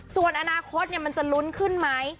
ส่วนอนาคตเนี่ยมันจะลุ้นขึ้นมั้ย